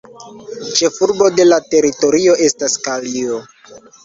Ĉefurbo de la teritorio estas Kalio.